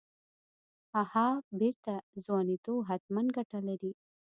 اها بېرته ځوانېدو حتمن ګته کړې.